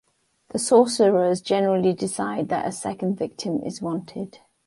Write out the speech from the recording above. The sorcerers generally decide that a second victim is wanted.